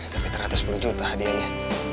tapi teratas sepuluh juta hadiahnya